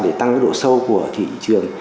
để tăng cái độ sâu của thị trường